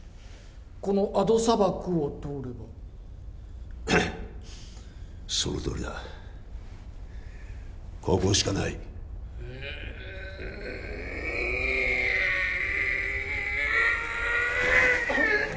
このアド砂漠を通ればそのとおりだここしかないウーーーーッ！